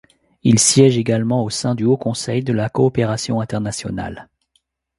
Il siège également au sein du Haut Conseil de la coopération internationale.